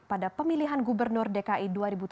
pada pemilihan gubernur dki dua ribu tujuh belas